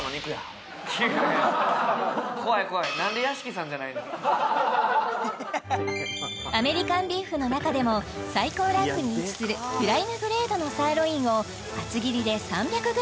怖い怖いアメリカンビーフの中でも最高ランクに位置するプライムグレードのサーロインを厚切りで３００ｇ